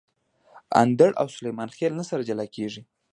اندړ او سلیمان خېل نه سره جلاکیږي